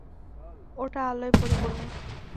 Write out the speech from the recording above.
ওটা আলোয় পরিপূর্ণ!